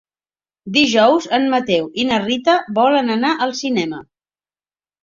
Dijous en Mateu i na Rita volen anar al cinema.